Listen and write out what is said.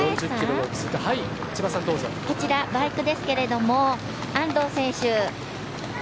こちら、バイクですけども安藤選手